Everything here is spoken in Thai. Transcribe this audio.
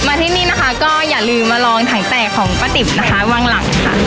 ที่นี่นะคะก็อย่าลืมมาลองถังแตกของป้าติ๋มนะคะวางหลังค่ะ